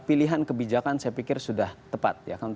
pilihan kebijakan saya pikir sudah tepat